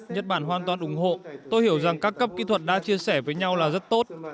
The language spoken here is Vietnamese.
nhật bản hoàn toàn ủng hộ tôi hiểu rằng các cấp kỹ thuật đã chia sẻ với nhau là rất tốt